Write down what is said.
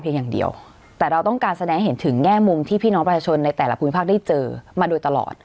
อย่างเดียวแต่เราต้องการแสดงเห็นถึงแง่มุมที่พี่น้องประชาชนในแต่ละภูมิภาคได้เจอมาโดยตลอด